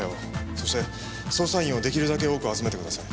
そして捜査員をできるだけ多く集めてください。